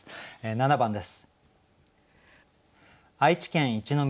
７番です。